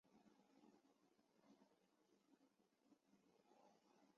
另图书馆柜位可供选购金管局各种刊物及纪念品。